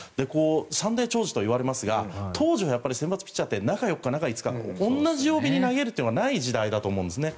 サンデー兆治といわれますが当時は先発ピッチャーって中４日、中５日同じ曜日に投げるというのがない時代だと思うんですね。